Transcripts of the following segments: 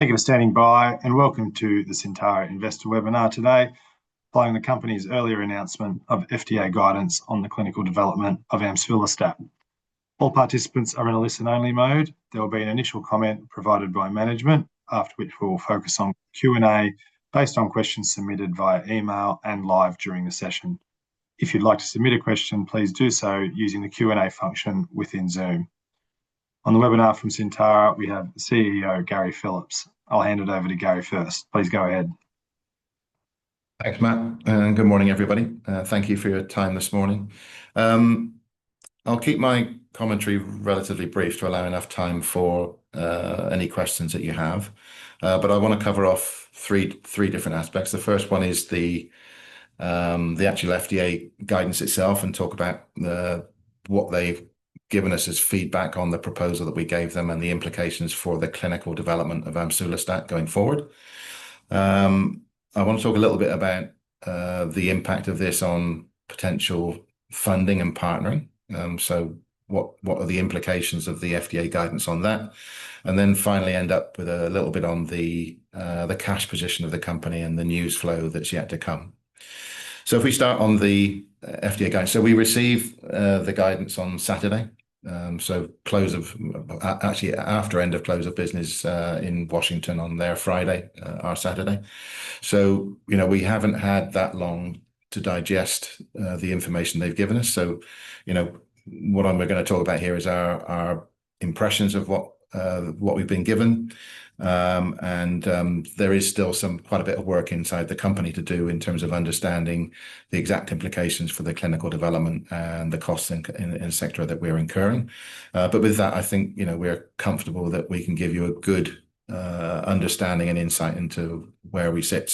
Thank you for standing by and welcome to the Syntara Investor Webinar today, following the company's earlier announcement of FDA guidance on the clinical development of amsulostat. All participants are in a listen-only mode. There will be an initial comment provided by management, after which we will focus on Q&A based on questions submitted via email and live during the session. If you'd like to submit a question, please do so using the Q&A function within Zoom. On the webinar from Syntara, we have the CEO, Gary Phillips. I'll hand it over to Gary first. Please go ahead. Thanks, Matt. Good morning, everybody. Thank you for your time this morning. I'll keep my commentary relatively brief to allow enough time for any questions that you have. I want to cover off three different aspects. The first one is the actual FDA guidance itself and talk about what they've given us as feedback on the proposal that we gave them and the implications for the clinical development of amsulostat going forward. I want to talk a little bit about the impact of this on potential funding and partnering. What are the implications of the FDA guidance on that? Finally, I'll end up with a little bit on the cash position of the company and the news flow that's yet to come. If we start on the FDA guidance, we received the guidance on Saturday, actually after end of close of business in Washington on their Friday, our Saturday. We haven't had that long to digest the information they've given us. What I'm going to talk about here is our impressions of what we've been given. There is still quite a bit of work inside the company to do in terms of understanding the exact implications for the clinical development and the costs in the sector that we're incurring. With that, I think we're comfortable that we can give you a good understanding and insight into where we sit.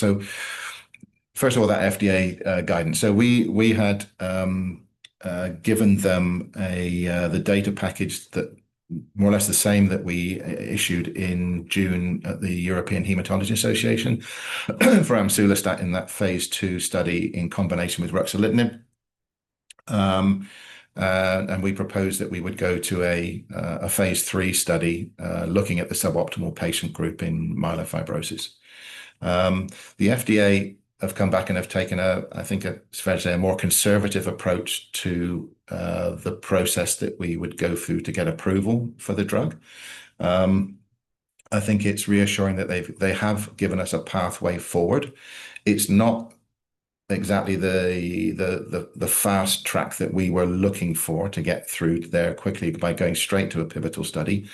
First of all, that FDA guidance. We had given them the data package that was more or less the same that we issued in June at the European Hematology Association for amsulostat in that phase II study in combination with ruxolitinib. We proposed that we would go to a phase III study looking at the suboptimal patient group in myelofibrosis. The FDA has come back and has taken, I think, a more conservative approach to the process that we would go through to get approval for the drug. I think it's reassuring that they have given us a pathway forward. It's not exactly the fast track that we were looking for to get through there quickly by going straight to a pivotal study.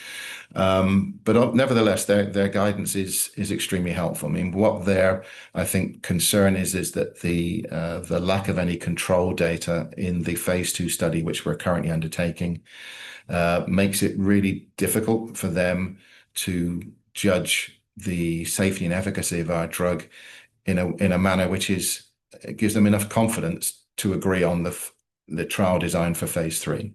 Nevertheless, their guidance is extremely helpful. What their, I think, concern is that the lack of any control data in the phase II study, which we're currently undertaking, makes it really difficult for them to judge the safety and efficacy of our drug in a manner which gives them enough confidence to agree on the trial design for phase III.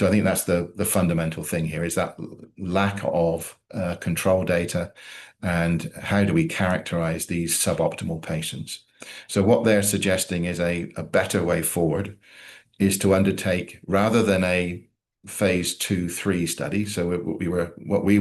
I think that's the fundamental thing here, that lack of control data and how do we characterize these suboptimal patients. What they're suggesting is a better way forward is to undertake, rather than a phase II/III study. What we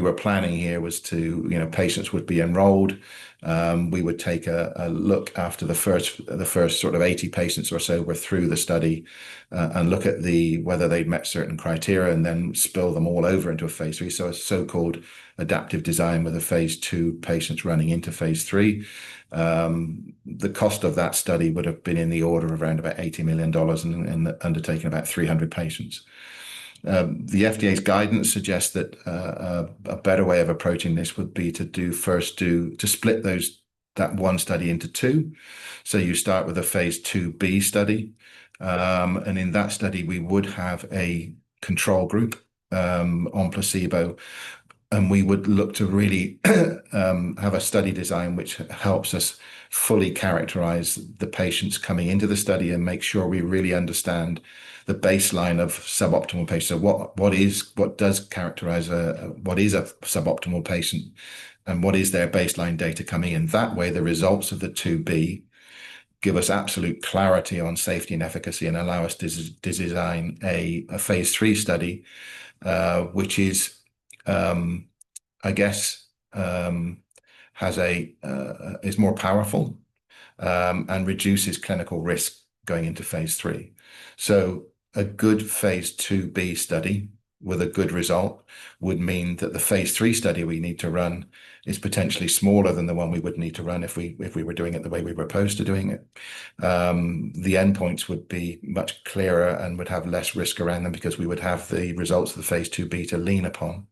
were planning here was to, you know, patients would be enrolled. We would take a look after the first sort of 80 patients or so were through the study and look at whether they met certain criteria and then spill them all over into a phase III. A so-called adaptive design with a phase II patient running into phase III. The cost of that study would have been in the order of around about 80 million dollars and undertaken about 300 patients. The FDA's guidance suggests that a better way of approaching this would be to do first, to split that one study into two. You start with a phase II-B study. In that study, we would have a control group on placebo. We would look to really have a study design which helps us fully characterize the patients coming into the study and make sure we really understand the baseline of suboptimal patients. What does characterize what is a suboptimal patient and what is their baseline data coming in? That way, the results of the II-B give us absolute clarity on safety and efficacy and allow us to design a phase III study, which is, I guess, more powerful and reduces clinical risk going into phase III. A good phase II-B study with a good result would mean that the phase III study we need to run is potentially smaller than the one we would need to run if we were doing it the way we were opposed to doing it. The endpoints would be much clearer and would have less risk around them because we would have the results of the phase II-B to lean upon.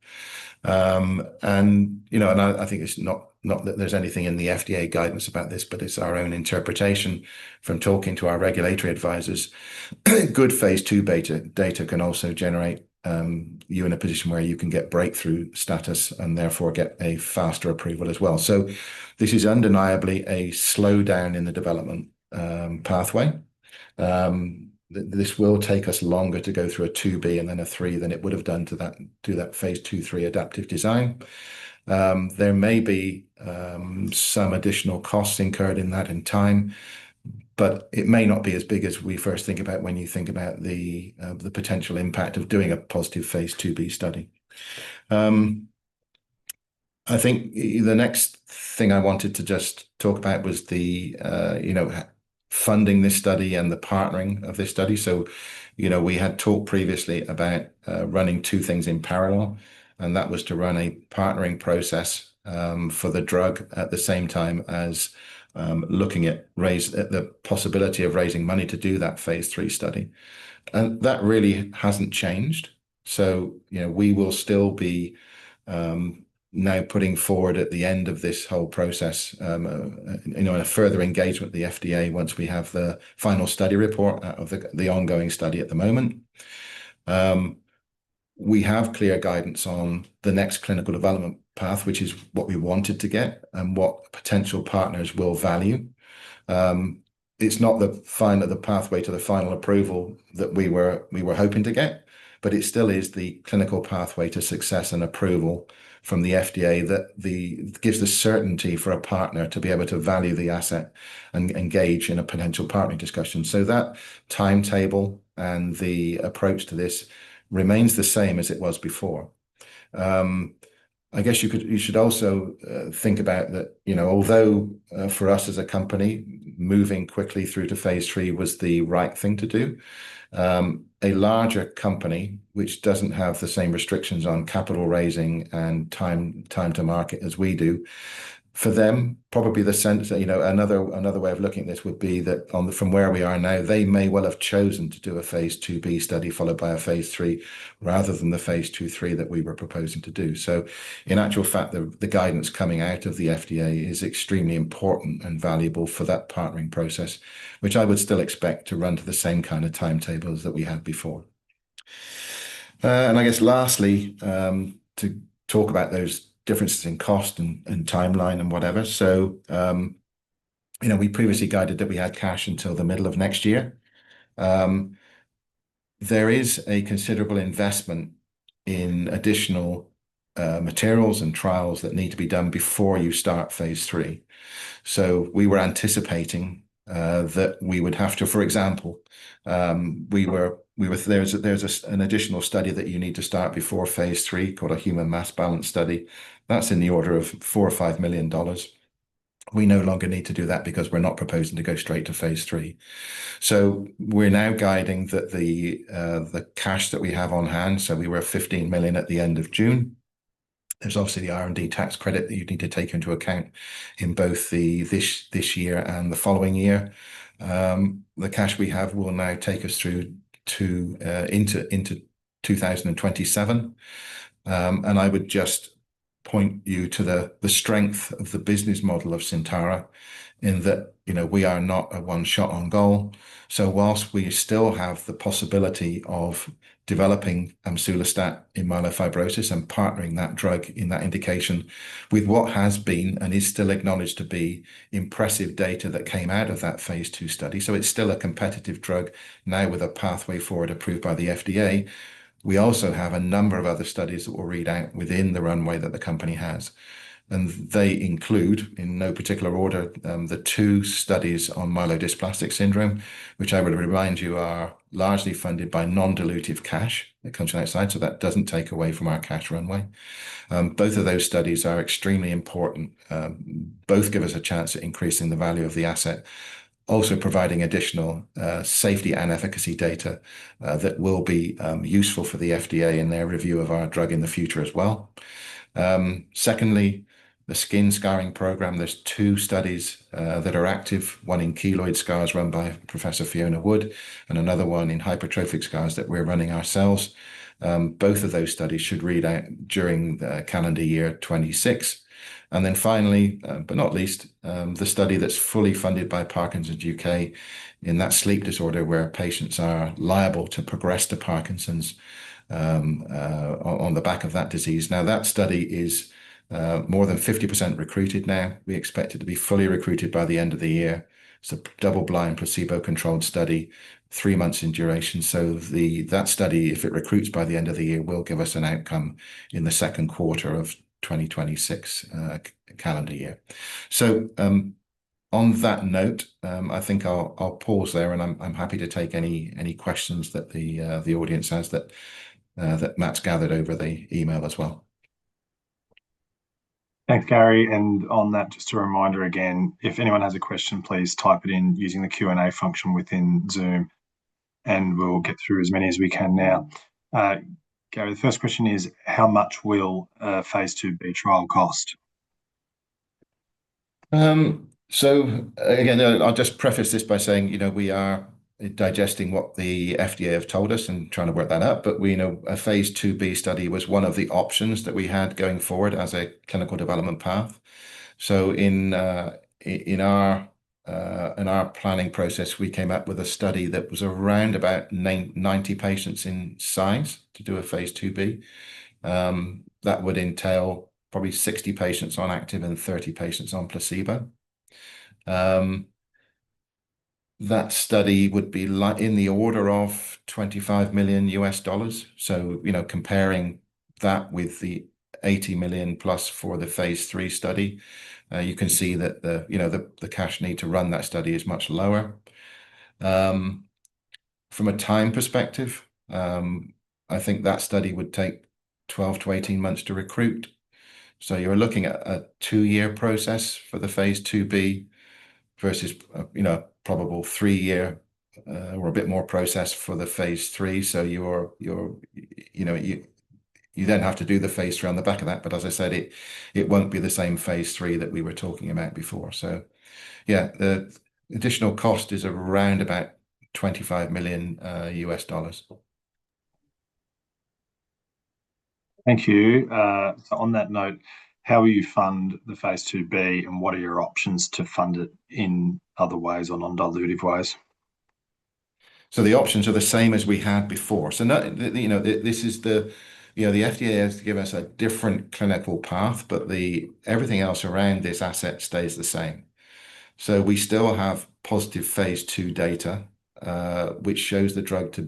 I think it's not that there's anything in the FDA guidance about this, but it's our own interpretation from talking to our regulatory advisors. Good phase II-B data can also generate you in a position where you can get breakthrough status and therefore get a faster approval as well. This is undeniably a slowdown in the development pathway. This will take us longer to go through a II-B and then a III than it would have done to that phase II/III adaptive design. There may be some additional costs incurred in that in time, but it may not be as big as we first think about when you think about the potential impact of doing a positive phase II-B study. I think the next thing I wanted to just talk about was the funding of this study and the partnering of this study. We had talked previously about running two things in parallel, and that was to run a partnering process for the drug at the same time as looking at the possibility of raising money to do that phase III study. That really hasn't changed. We will still be now putting forward at the end of this whole process a further engagement with the FDA once we have the final study report of the ongoing study at the moment. We have clear guidance on the next clinical development path, which is what we wanted to get and what potential partners will value. It's not the final pathway to the final approval that we were hoping to get, but it still is the clinical pathway to success and approval from the FDA that gives us certainty for a partner to be able to value the asset and engage in a potential partner discussion. That timetable and the approach to this remains the same as it was before. I guess you should also think about that, although for us as a company, moving quickly through to phase III was the right thing to do, a larger company, which doesn't have the same restrictions on capital raising and time to market as we do, for them, probably the sense that another way of looking at this would be that from where we are now, they may well have chosen to do a phase II-B study followed by a phase III rather than the phase II/III that we were proposing to do. In actual fact, the guidance coming out of the FDA is extremely important and valuable for that partnering process, which I would still expect to run to the same kind of timetables that we had before. I guess lastly, to talk about those differences in cost and timeline and whatever. We previously guided that we had cash until the middle of next year. There is a considerable investment in additional materials and trials that need to be done before you start phase III. We were anticipating that we would have to, for example, there's an additional study that you need to start before phase III called a human mass balance study. That's in the order of 4 million or 5 million dollars. We no longer need to do that because we're not proposing to go straight to phase III. We're now guiding that the cash that we have on hand, so we were at 15 million at the end of June. There's obviously the R&D tax credit that you'd need to take into account in both this year and the following year. The cash we have will now take us through to 2027. I would just point you to the strength of the business model of Syntara in that, you know, we are not a one shot on goal. Whilst we still have the possibility of developing amsulostat in myelofibrosis and partnering that drug in that indication with what has been and is still acknowledged to be impressive data that came out of that phase II study, it's still a competitive drug now with a pathway forward approved by the FDA. We also have a number of other studies that will read out within the runway that the company has. They include, in no particular order, the two studies on myelodysplastic syndrome, which I would remind you are largely funded by non-dilutive cash that comes from that side. That doesn't take away from our cash runway. Both of those studies are extremely important. Both give us a chance at increasing the value of the asset, also providing additional safety and efficacy data that will be useful for the FDA in their review of our drug in the future as well. Secondly, the skin scarring program, there's two studies that are active, one in keloid scars run by Professor Fiona Wood and another one in hypertrophic scars that we're running ourselves. Both of those studies should read out during calendar year 2026. Finally, but not least, the study that's fully funded by Parkinson’s UK in that sleep disorder where patients are liable to progress to Parkinson’s on the back of that disease. That study is more than 50% recruited now. We expect it to be fully recruited by the end of the year. It's a double-blind placebo-controlled study, three months in duration. If it recruits by the end of the year, that study will give us an outcome in the second quarter of 2026 calendar year. On that note, I think I'll pause there and I'm happy to take any questions that the audience has that Matt's gathered over the email as well. Thanks, Gary. Just a reminder again, if anyone has a question, please type it in using the Q&A function within Zoom and we'll get through as many as we can now. Gary, the first question is, how much will phase II-B trial cost? I'll just preface this by saying, you know, we are digesting what the FDA have told us and trying to work that out. A phase II-B study was one of the options that we had going forward as a clinical development path. In our planning process, we came up with a study that was around about 90 patients in size to do a phase II-B. That would entail probably 60 patients on active and 30 patients on placebo. That study would be in the order of $25 million. Comparing that with the 80+ million for the phase III study, you can see that the cash need to run that study is much lower. From a time perspective, I think that study would take 12-18 months to recruit. You're looking at a two-year process for the phase II-B versus a probable three-year or a bit more process for the phase III. You then have to do the phase III on the back of that. As I said, it won't be the same phase III that we were talking about before. The additional cost is around about $25 million. Thank you. On that note, how will you fund the phase II-B and what are your options to fund it in other ways or non-dilutive ways? The options are the same as we had before. This is the FDA has given us a different clinical path, but everything else around this asset stays the same. We still have positive phase II data, which shows the drug to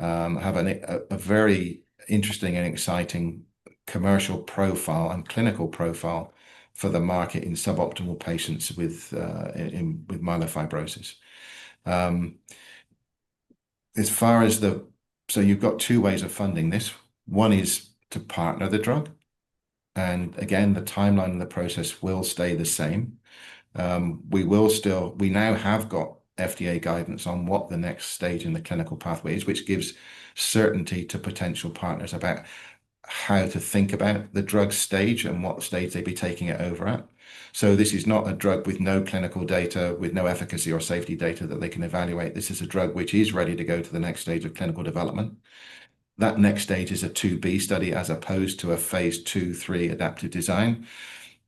have a very interesting and exciting commercial profile and clinical profile for the market in suboptimal patients with myelofibrosis. As far as the, you've got two ways of funding this. One is to partner the drug. Again, the timeline and the process will stay the same. We now have got FDA guidance on what the next stage in the clinical pathway is, which gives certainty to potential partners about how to think about the drug stage and what stage they'd be taking it over at. This is not a drug with no clinical data, with no efficacy or safety data that they can evaluate. This is a drug which is ready to go to the next stage of clinical development. That next stage is a phase II-B study as opposed to a phase II/III adaptive design.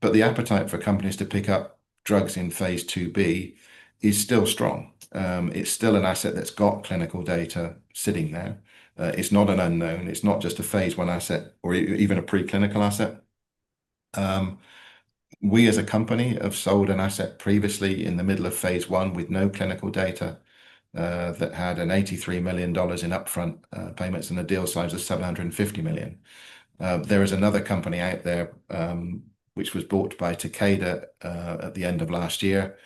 The appetite for companies to pick up drugs in phase II-B is still strong. It's still an asset that's got clinical data sitting there. It's not an unknown. It's not just a phase I asset or even a preclinical asset. We as a company have sold an asset previously in the middle of phase I with no clinical data that had 83 million dollars in upfront payments and a deal size of 750 million. There is another company out there which was bought by Takeda at the end of last year,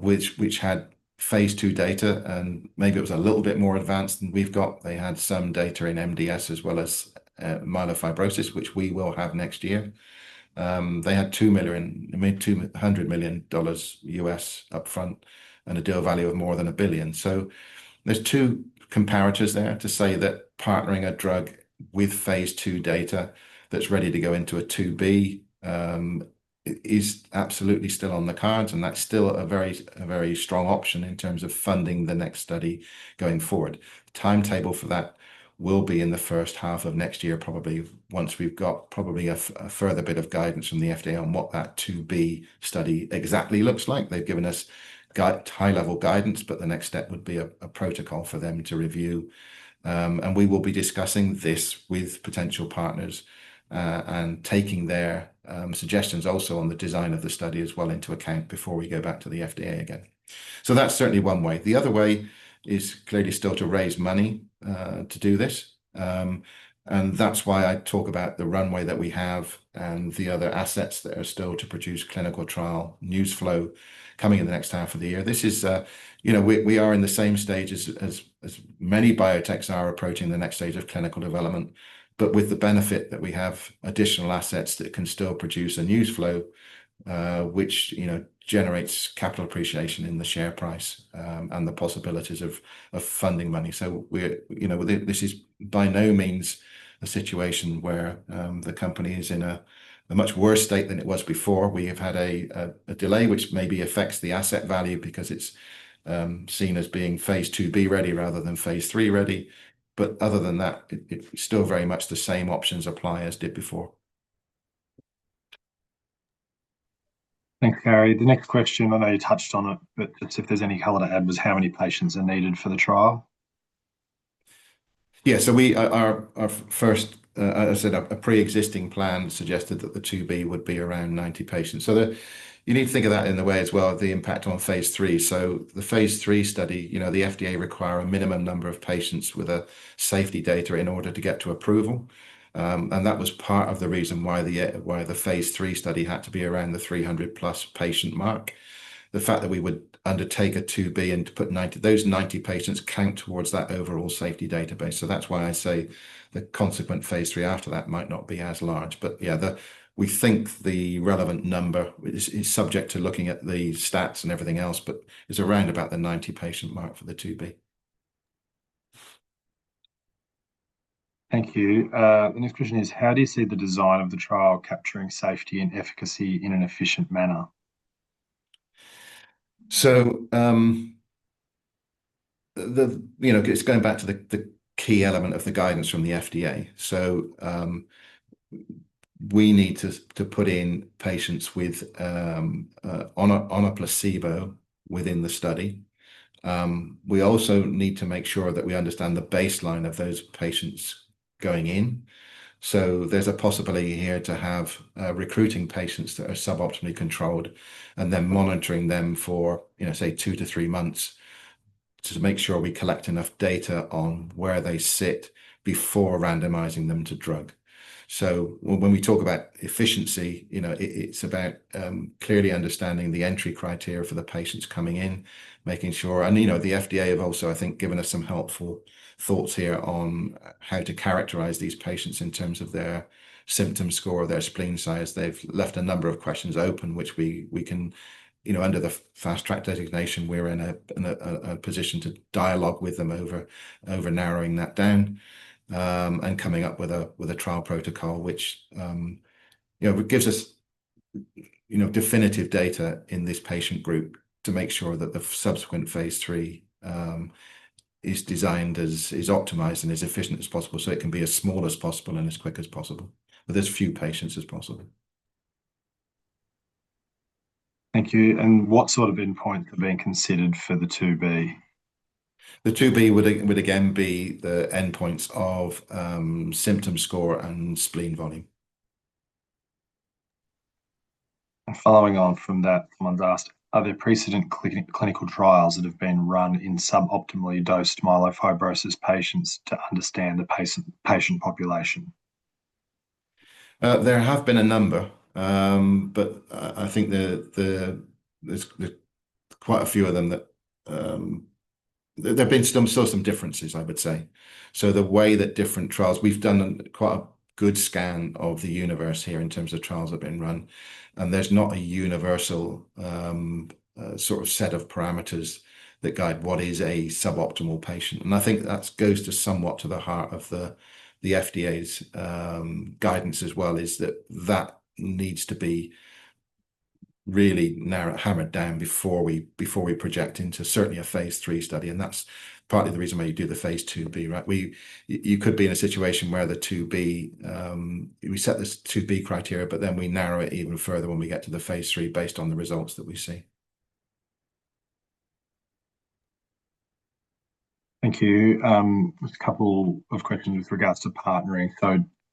which had phase II data and maybe it was a little bit more advanced than we've got. They had some data in MDS as well as myelofibrosis, which we will have next year. They had $200 million upfront and a deal value of more than $1 billion. There are two comparators there to say that partnering a drug with phase II data that's ready to go into a II-B is absolutely still on the cards and that's still a very, very strong option in terms of funding the next study going forward. Timetable for that will be in the first half of next year, probably once we've got probably a further bit of guidance from the FDA on what that II-B study exactly looks like. They've given us high-level guidance, but the next step would be a protocol for them to review. We will be discussing this with potential partners and taking their suggestions also on the design of the study as well into account before we go back to the FDA again. That is certainly one way. The other way is clearly still to raise money to do this. That's why I talk about the runway that we have and the other assets that are still to produce clinical trial news flow coming in the next half of the year. We are in the same stage as many biotechs are approaching the next stage of clinical development, but with the benefit that we have additional assets that can still produce a news flow, which generates capital appreciation in the share price and the possibilities of funding money. This is by no means a situation where the company is in a much worse state than it was before. We have had a delay, which maybe affects the asset value because it's seen as being phase II-B ready rather than phase III ready. Other than that, it's still very much the same options apply as did before. Thanks, Gary. The next question, I know you touched on it, but if there's any color to add, was how many patients are needed for the trial? Yeah, so our first, as I said, a pre-existing plan suggested that the II-B would be around 90 patients. You need to think of that in the way as well, the impact on phase III. The phase III study, you know, the FDA requires a minimum number of patients with safety data in order to get to approval. That was part of the reason why the phase III study had to be around the 300+ patient mark. The fact that we would undertake a II-B and put those 90 patients counts towards that overall safety database. That's why I say the consequent phase III after that might not be as large. We think the relevant number is subject to looking at the stats and everything else, but it's around about the 90 patient mark for the II-B. Thank you. The next question is, how do you see the design of the trial capturing safety and efficacy in an efficient manner? It's going back to the key element of the guidance from the FDA. We need to put in patients on a placebo within the study. We also need to make sure that we understand the baseline of those patients going in. There's a possibility here to have recruiting patients that are suboptimally controlled and then monitoring them for, say, two to three months to make sure we collect enough data on where they sit before randomizing them to drug. When we talk about efficiency, it's about clearly understanding the entry criteria for the patients coming in, making sure, and the FDA have also, I think, given us some helpful thoughts here on how to characterize these patients in terms of their symptom score or their spleen size. They've left a number of questions open, which we can, under the fast track designation, we're in a position to dialogue with them over narrowing that down and coming up with a trial protocol, which gives us definitive data in this patient group to make sure that the subsequent phase III is designed as optimized and as efficient as possible so it can be as small as possible and as quick as possible with as few patients as possible. Thank you. What sort of endpoints are being considered for the phase II-B? The phase II-B would again be the endpoints of symptom score and spleen volume. Following on from that, someone's asked, are there precedent clinical trials that have been run in suboptimally dosed myelofibrosis patients to understand the patient population? There have been a number, but I think there's quite a few of them that there have been still some differences, I would say. The way that different trials, we've done quite a good scan of the universe here in terms of trials that have been run, and there's not a universal sort of set of parameters that guide what is a suboptimal patient. I think that goes somewhat to the heart of the FDA's guidance as well, that needs to be really hammered down before we project into certainly a phase III study. That's partly the reason why you do the phase II-B, right? You could be in a situation where the II-B, we set this II-B criteria, but then we narrow it even further when we get to the phase III based on the results that we see. Thank you. Just a couple of questions with regards to partnering.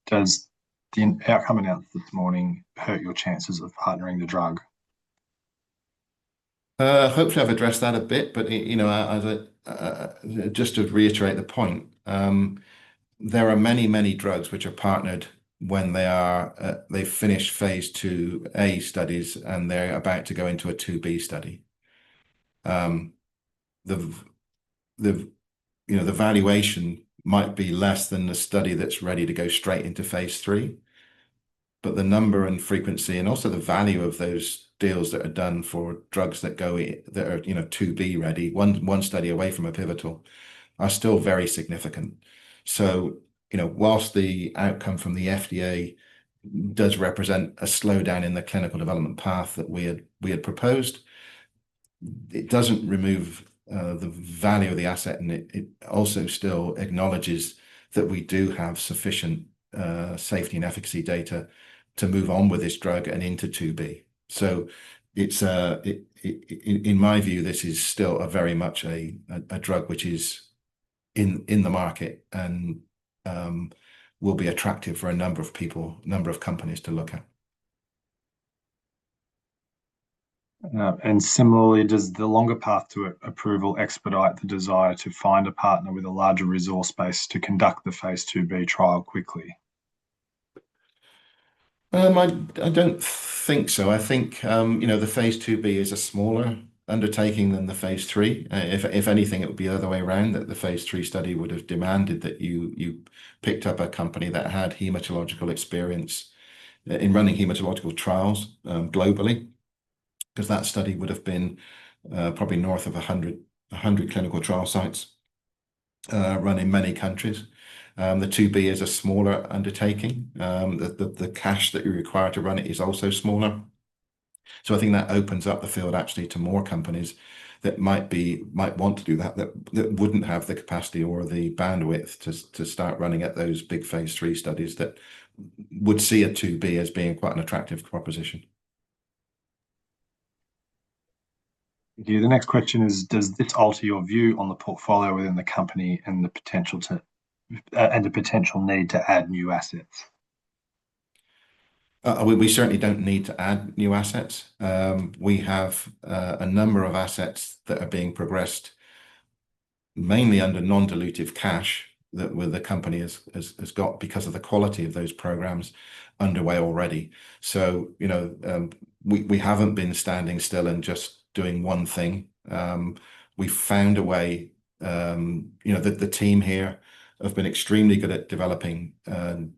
Does the outcome announced this morning hurt your chances of partnering the drug? Hopefully, I've addressed that a bit, but just to reiterate the point, there are many, many drugs which are partnered when they finish phase II-A studies and they're about to go into a phase II-B study. The valuation might be less than the study that's ready to go straight into phase III, but the number and frequency and also the value of those deals that are done for drugs that go, that are, you know, II-B ready, one study away from a pivotal, are still very significant. Whilst the outcome from the FDA does represent a slowdown in the clinical development path that we had proposed, it doesn't remove the value of the asset and it also still acknowledges that we do have sufficient safety and efficacy data to move on with this drug and into II-B. In my view, this is still very much a drug which is in the market and will be attractive for a number of people, a number of companies to look at. Does the longer path to approval expedite the desire to find a partner with a larger resource base to conduct the phase II-B trial quickly? I don't think so. I think the phase II-B is a smaller undertaking than the phase III. If anything, it would be the other way around, that the phase III study would have demanded that you picked up a company that had hematological experience in running hematological trials globally, because that study would have been probably north of 100 clinical trial sites run in many countries. The II-B is a smaller undertaking. The cash that you require to run it is also smaller. I think that opens up the field actually to more companies that might want to do that, that wouldn't have the capacity or the bandwidth to start running at those big phase III studies that would see a II-B as being quite an attractive proposition. The next question is, does this alter your view on the portfolio within the company and the potential need to add new assets? We certainly don't need to add new assets. We have a number of assets that are being progressed, mainly under non-dilutive funding that the company has got because of the quality of those programs underway already. We haven't been standing still and just doing one thing. We found a way, you know, that the team here has been extremely good at developing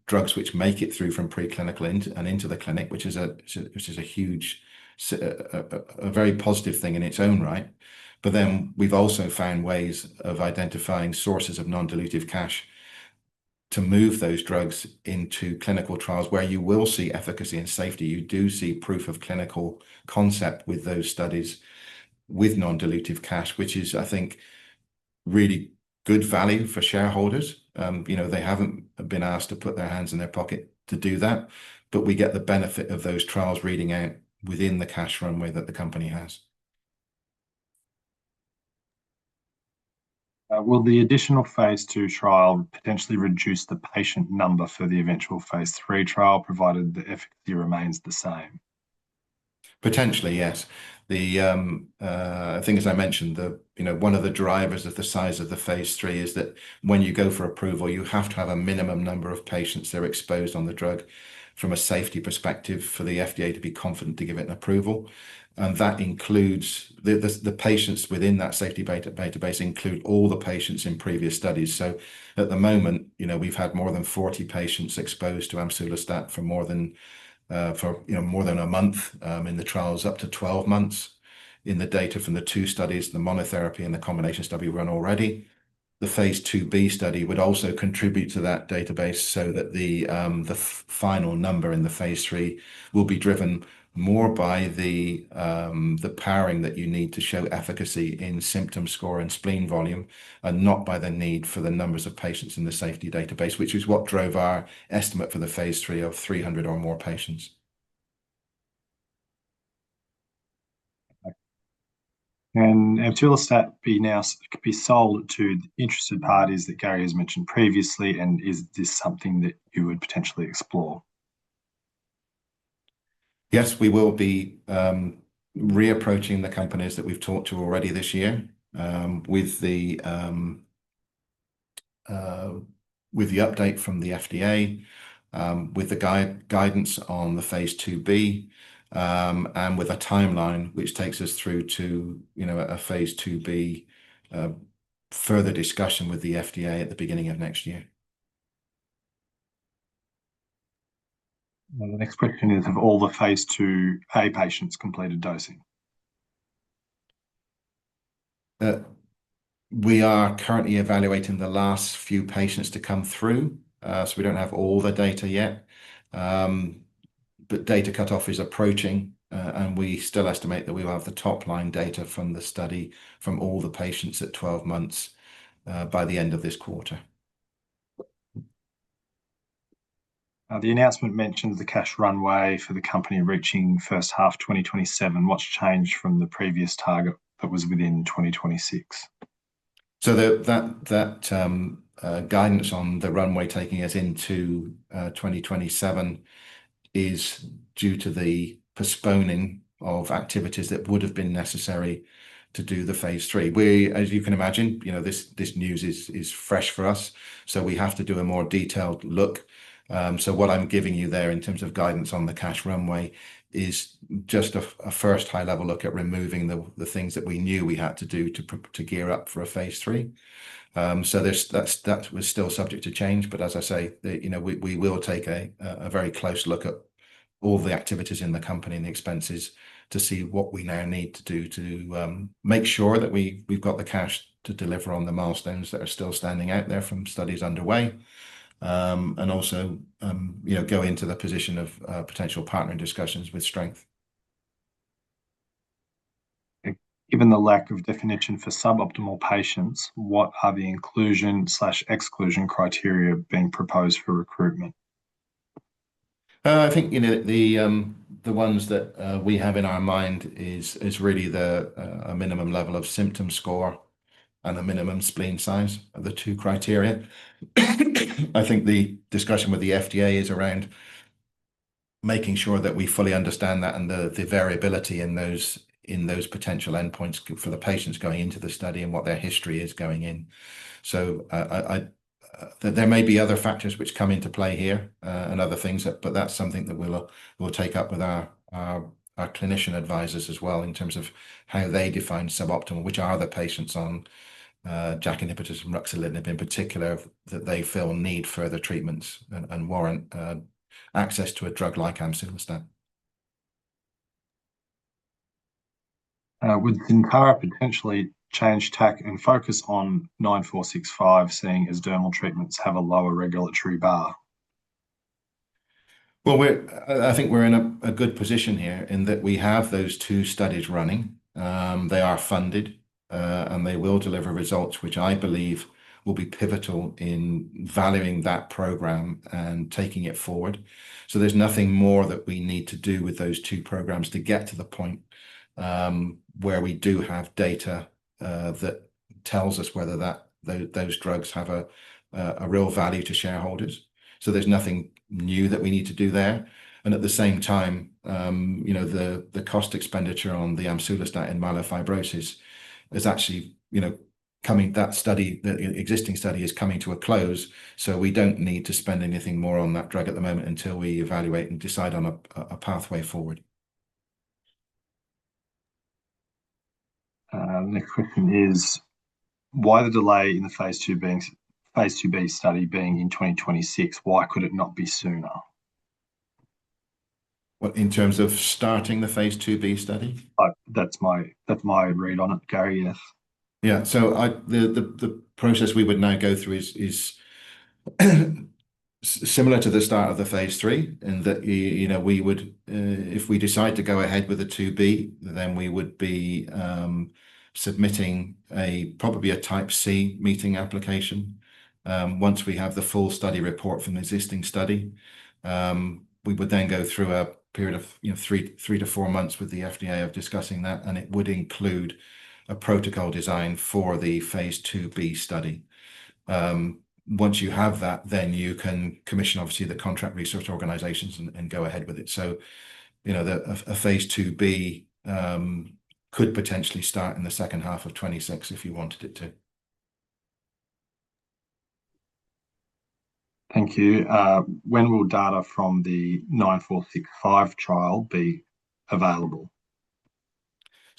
drugs which make it through from preclinical and into the clinic, which is a huge, a very positive thing in its own right. We have also found ways of identifying sources of non-dilutive funding to move those drugs into clinical trials where you will see efficacy and safety. You do see proof of clinical concept with those studies with non-dilutive funding, which is, I think, really good value for shareholders. They haven't been asked to put their hands in their pocket to do that, but we get the benefit of those trials reading out within the cash runway that the company has. Will the additional phase II trial potentially reduce the patient number for the eventual phase III trial provided the efficacy remains the same? Potentially, yes. I think, as I mentioned, one of the drivers of the size of the phase III is that when you go for approval, you have to have a minimum number of patients that are exposed on the drug from a safety perspective for the FDA to be confident to give it an approval. That includes the patients within that safety database, includes all the patients in previous studies. At the moment, we've had more than 40 patients exposed to amsulostat for more than a month in the trials, up to 12 months in the data from the two studies, the monotherapy and the combination study we run already. The phase II-B study would also contribute to that database so that the final number in the phase III will be driven more by the powering that you need to show efficacy in symptom score and spleen volume, and not by the need for the numbers of patients in the safety database, which is what drove our estimate for the phase III of 300 or more patients. Could amsulostat be sold to the interested parties that Gary has mentioned previously, and is this something that you would potentially explore? Yes, we will be re-approaching the companies that we've talked to already this year with the update from the FDA, with the guidance on the phase II-B, and with a timeline which takes us through to a phase II-B further discussion with the FDA at the beginning of next year. The next question is, have all the phase II-A patients completed dosing? We are currently evaluating the last few patients to come through, so we don't have all the data yet. Data cutoff is approaching, and we still estimate that we will have the top line data from the study from all the patients at 12 months by the end of this quarter. The announcement mentions the cash runway for the company reaching first half 2027. What's changed from the previous target that was within 2026? That guidance on the runway taking us into 2027 is due to the postponing of activities that would have been necessary to do the phase III. As you can imagine, this news is fresh for us, so we have to do a more detailed look. What I'm giving you there in terms of guidance on the cash runway is just a first high-level look at removing the things that we knew we had to do to gear up for a phase III. That is still subject to change, but as I say, we will take a very close look at all the activities in the company and the expenses to see what we now need to do to make sure that we've got the cash to deliver on the milestones that are still standing out there from studies underway. Also, you know, go into the position of potential partner discussions with strength. Given the lack of definition for suboptimal patients, what are the inclusion/exclusion criteria being proposed for recruitment? I think the ones that we have in our mind is really the minimum level of symptom score and the minimum spleen size are the two criteria. I think the discussion with the FDA is around making sure that we fully understand that and the variability in those potential endpoints for the patients going into the study and what their history is going in. There may be other factors which come into play here and other things, but that's something that we'll take up with our clinician advisors as well in terms of how they define suboptimal, which are the patients on JAK inhibitors and ruxolitinib in particular that they feel need further treatments and warrant access to a drug like amsulostat. Would Syntara potentially change tech and focus on 9465 seeing as dermal treatments have a lower regulatory bar? I think we're in a good position here in that we have those two studies running. They are funded and they will deliver results which I believe will be pivotal in valuing that program and taking it forward. There's nothing more that we need to do with those two programs to get to the point where we do have data that tells us whether those drugs have a real value to shareholders. There's nothing new that we need to do there. At the same time, the cost expenditure on the amsulostat and myelofibrosis is actually coming to that study, the existing study is coming to a close. We don't need to spend anything more on that drug at the moment until we evaluate and decide on a pathway forward. Next question is, why the delay in the phase II-B study being in 2026? Why could it not be sooner? In terms of starting the phase II-B study? That's my read on it, Gary, yes. Yeah, the process we would now go through is similar to the start of the phase III in that, you know, we would, if we decide to go ahead with a II-B, then we would be submitting probably a type C meeting application. Once we have the full study report from the existing study, we would then go through a period of three to four months with the FDA of discussing that, and it would include a protocol design for the phase II-B study. Once you have that, you can commission obviously the contract research organizations and go ahead with it. A phase II-B could potentially start in the second half of 2026 if you wanted it to. Thank you. When will data from the 9465 trial be available?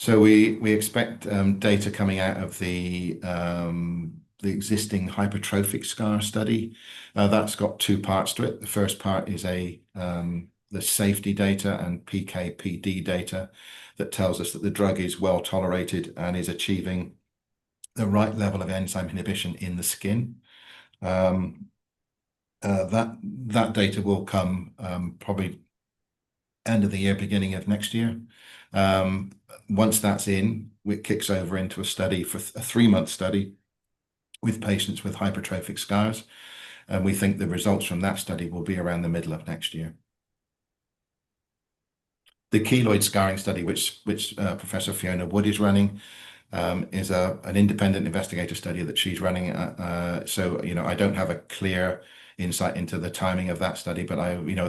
We expect data coming out of the existing hypertrophic scar study. That's got two parts to it. The first part is the safety data and PK/PD data that tells us that the drug is well tolerated and is achieving the right level of enzyme inhibition in the skin. That data will come probably end of the year, beginning of next year. Once that's in, it kicks over into a study for a three-month study with patients with hypertrophic scars, and we think the results from that study will be around the middle of next year. The keloid scarring study, which Professor Fiona Wood is running, is an independent investigator study that she's running. I don't have a clear insight into the timing of that study, but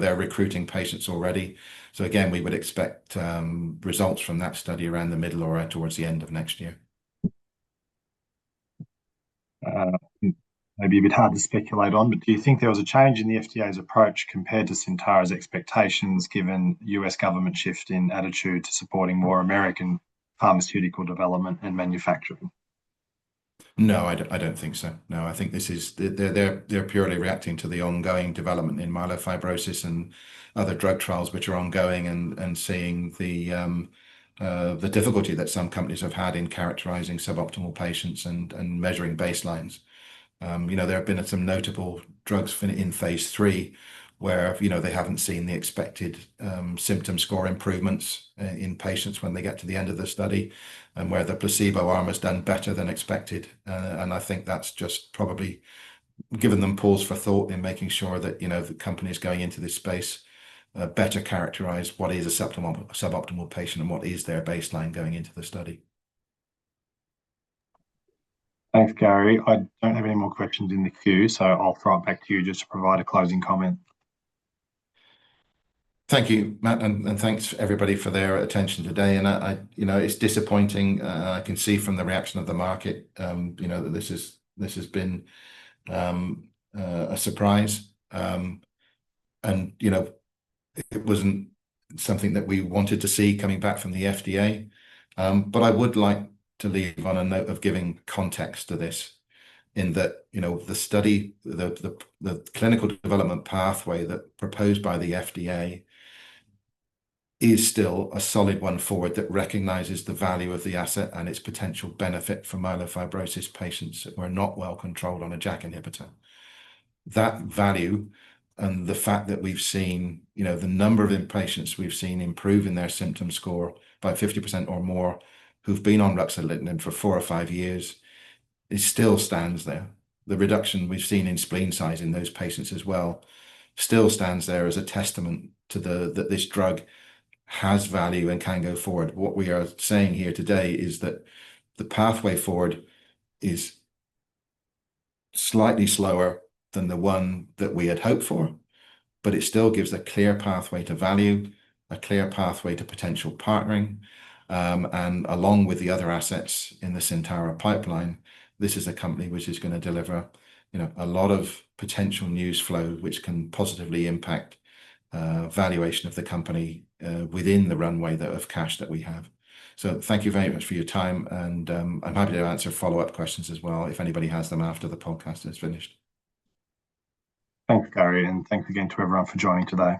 they're recruiting patients already. We would expect results from that study around the middle or right towards the end of next year. Maybe a bit hard to speculate on, but do you think there was a change in the FDA's approach compared to Syntara's expectations given the U.S. government's shift in attitude to supporting more American pharmaceutical development and manufacturing? No, I don't think so. No, I think this is, they're purely reacting to the ongoing development in myelofibrosis and other drug trials which are ongoing and seeing the difficulty that some companies have had in characterizing suboptimal patients and measuring baselines. There have been some notable drugs in phase III where they haven't seen the expected symptom score improvements in patients when they get to the end of the study, and where the placebo arm has done better than expected. I think that's just probably given them pause for thought in making sure that the companies going into this space better characterize what is a suboptimal patient and what is their baseline going into the study. Thanks, Gary. I don't have any more questions in the queue, so I'll throw it back to you just to provide a closing comment. Thank you, Matt, and thanks everybody for their attention today. It's disappointing. I can see from the reaction of the market that this has been a surprise. It wasn't something that we wanted to see coming back from the FDA. I would like to leave on a note of giving context to this in that the study, the clinical development pathway that's proposed by the FDA is still a solid one forward that recognizes the value of the asset and its potential benefit for myelofibrosis patients that were not well controlled on a JAK inhibitor. That value and the fact that we've seen the number of inpatients we've seen improve in their symptom score by 50% or more who've been on ruxolitinib for four or five years still stands there. The reduction we've seen in spleen size in those patients as well still stands there as a testament to that this drug has value and can go forward. What we are saying here today is that the pathway forward is slightly slower than the one that we had hoped for, but it still gives a clear pathway to value, a clear pathway to potential partnering. Along with the other assets in the Syntara pipeline, this is a company which is going to deliver a lot of potential news flow which can positively impact valuation of the company within the runway of cash that we have. Thank you very much for your time, and I'm happy to answer follow-up questions as well if anybody has them after the podcast is finished. Thanks, Gary, and thanks again to everyone for joining today.